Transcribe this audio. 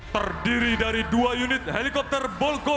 terdiri dari dua unit helikopter bolko satu ratus lima